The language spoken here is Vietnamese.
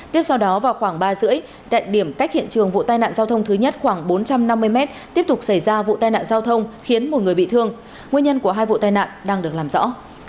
tiếp sau đó vào khoảng ba rưỡi tại điểm cách hiện trường vụ tai nạn giao thông thứ nhất khoảng bốn trăm năm mươi mét tiếp tục xảy ra vụ tai nạn giao thông khiến một người bị thương nguyên nhân của hai vụ tai nạn đang được làm rõ